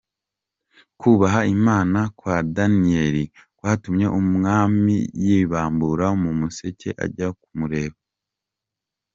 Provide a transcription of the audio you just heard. Kubaha Imana kwa Daniyeri kwatumye umwami yibambura mu museke ajya kumureba.